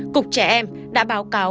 cục trẻ em đã báo cáo